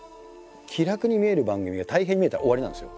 気楽に見える番組が大変に見えたら終わりなんですよ。